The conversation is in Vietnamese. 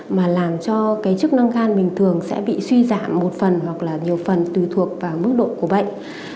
mà làm cho cái chức năng gan bình thường sẽ bị suy giảm một phần hoặc là nhiều phần tùy thuộc vào mức độ của bệnh